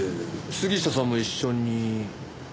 杉下さんも一緒に。